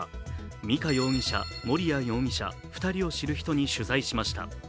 美香容疑者、盛哉容疑者、２人を知る人に取材しました。